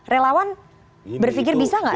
relawan berpikir bisa gak